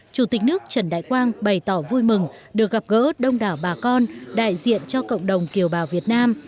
chủ tịch nước trần đại quang bày tỏ vui mừng được gặp gỡ đông đảo bà con đại diện cho cộng đồng kiều bào việt nam